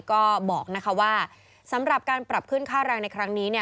ก็บอกว่าสำหรับการปรับขึ้นค่าแรงในครั้งนี้